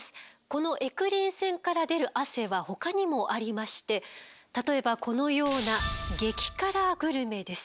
このエクリン腺から出る汗はほかにもありまして例えばこのような激辛グルメです。